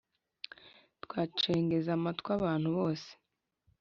twacengeza amatwa abantu bose .